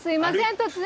突然。